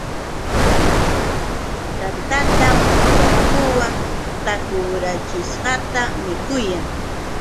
Tantatam yakuwan takurachishqata mikuyan.